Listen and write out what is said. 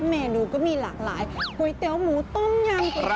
เมนูก็มีหลากหลายก๋วยเตี๋ยวหมูต้มยำ